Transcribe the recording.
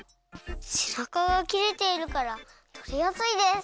せなかがきれているからとりやすいです。